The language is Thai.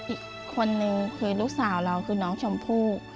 อีกคนนึงคือลูกสาวเราคือน้องชมพู่